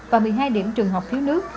và một mươi hai điểm trường học thiếu nước